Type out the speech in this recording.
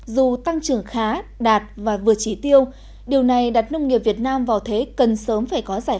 nâng trưởng khá đạt và vừa trí tiêu điều này đặt nông nghiệp việt nam vào thế cần sớm phải có giải